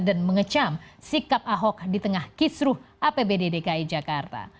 dan mengecam sikap ahok di tengah kisruh apb dki jakarta